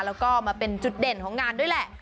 แล้วก็มาเป็นจุดเด่นของงานด้วยแหละ